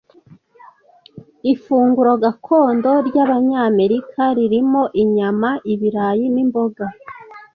Ifunguro gakondo ryabanyamerika ririmo inyama, ibirayi nimboga.